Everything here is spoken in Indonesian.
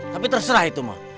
tapi terserah itu mah